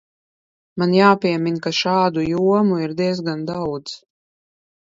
Man jāpiemin, ka šādu jomu ir diezgan daudz.